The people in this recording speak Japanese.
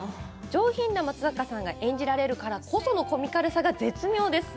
上品な松坂さんが演じられるからこそのコミカルさが絶妙です。